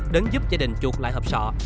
đến giúp gia đình chuột lại hợp sọ